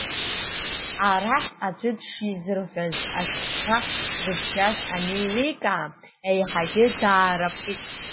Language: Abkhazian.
Арахь аӡәы дшизырҳәаз, ашәҟәқәа шрыбжьаз анеиликаа, еиҳагьы дараапкит.